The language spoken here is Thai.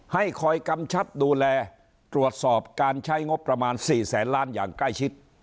ให้คอยกำชับดูแลตรวจสอบการใช้งบประมาณ๔แสนล้านอย่างใกล้ชิด